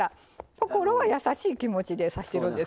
心は優しい気持ちで刺してるんです。